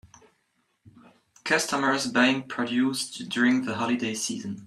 Customers buying produce during the holiday season.